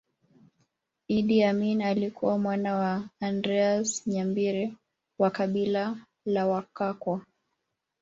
Idi Amin alikuwa mwana wa Andreas Nyabire wa kabila la Wakakwa